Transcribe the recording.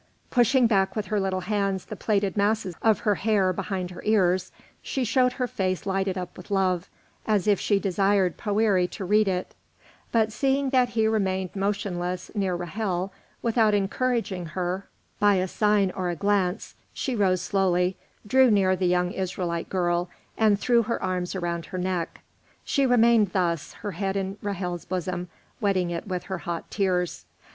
Pushing back with her little hands the plaited masses of her hair behind her ears, she showed her face lighted up with love, as if she desired Poëri to read it; but seeing that he remained motionless near Ra'hel without encouraging her by a sign or a glance, she rose slowly, drew near the young Israelite girl, and threw her arms around her neck. She remained thus, her head in Ra'hel's bosom, wetting it with her hot tears.